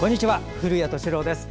古谷敏郎です。